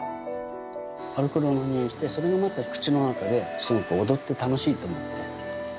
アルコールのにおいがしてそれがまた口の中ですごく踊って楽しいと思って。